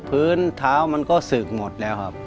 พื้นเท้ามันก็ศึกหมดแล้วครับ